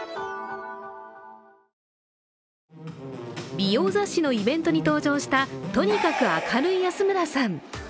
美容雑誌のイベントに登場したとにかく明るい安村さん。